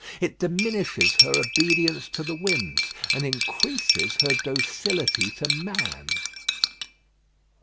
It diminishes her obedience to the winds, and increases her docility to man.